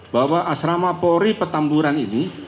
bahwa asrama polri petamburan ini